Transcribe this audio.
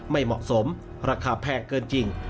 ไม่เหมาะสมราคาแพงเกินจริง